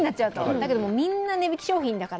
だけどみんな値引き商品だから